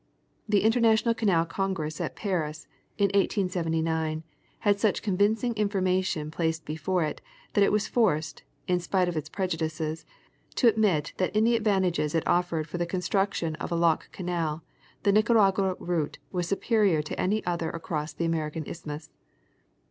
The International Canal Congress at Paris, in 1879, had such convincing information placed before it that it was forced, in spite of its prejudices, to admit that in the advantages it offered for the construction of a lock canal, the Nicaragua route was superior to any other across the American isthmus.